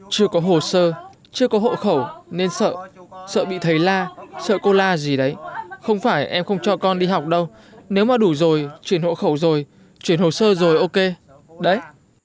chưa có hồ sơ chưa có hộ khẩu nên sợ sợ bị thầy la sợ cô la gì đấy không phải em không cho con đi học đâu nếu mà đủ rồi chuyển hộ khẩu rồi chuyển hồ sơ rồi ok đấy